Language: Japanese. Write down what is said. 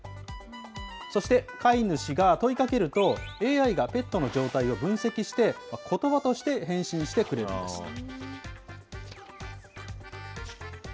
そして、飼い主が問いかけると、ＡＩがペットの状態を分析して、ことばとして返信してくれるんです。